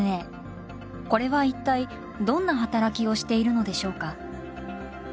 これは一体どんな働きをしているのでしょうか。